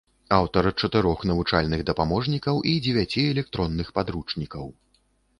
Аўтар чатырох навучальных дапаможнікаў і дзевяці электронных падручнікаў.